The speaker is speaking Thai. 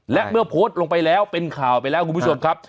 และเมื่อโพสต์ลงไปแล้วเป็นข่าวไปแล้วคุณผู้ชมครับ